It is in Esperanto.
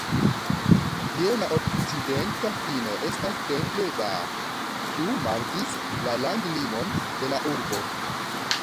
Je la okcidenta fino estas Temple Bar, kiu markis la landlimon de la urbo.